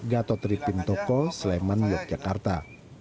gatot tripin toko sleman yogyakarta